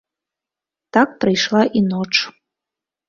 Так прайшла і ноч.